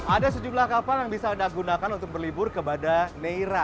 ada sejumlah kapal yang bisa anda gunakan untuk berlibur kepada neira